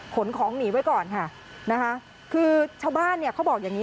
ขนของหนีไว้ก่อนค่ะคือชาวบ้านเขาบอกอย่างนี้